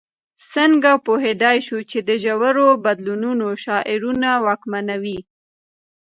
څنګه پوهېدای شو چې د ژورو بدلونونو شعارونه واکمنوي.